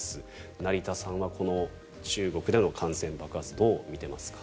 成田さんはこの中国での感染爆発どう見ていますか？